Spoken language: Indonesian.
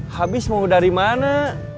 habis mau dari mana